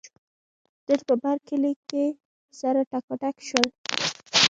نن په برکلي کې سره ټکاټک شول.